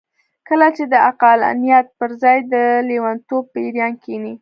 کله چې د عقلانيت پر ځای د لېونتوب پېريان کېني.